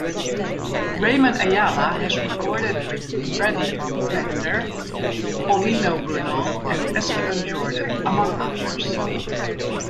Ramon Ayala has recorded with Freddy Fender, Paulino Bernal and Esteban Jordan, among others.